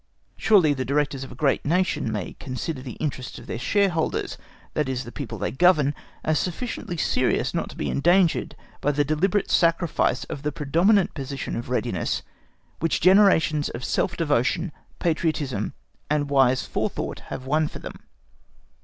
Surely the Directors of a Great Nation may consider the interests of their shareholders—i.e., the people they govern—as sufficiently serious not to be endangered by the deliberate sacrifice of the preponderant position of readiness which generations of self devotion, patriotism and wise forethought have won for them?